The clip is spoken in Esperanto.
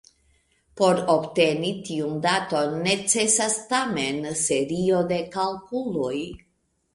Por obteni tiun daton necesas tamen serio de kalkuloj.